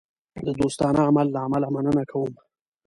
د دوستانه عمل له امله مننه کوم.